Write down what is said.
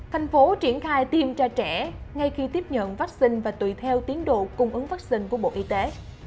thành phố triển khai tiêm cho trẻ ngay khi tiếp nhận vaccine và tùy theo tiến độ cung ứng vaccine của bộ y tế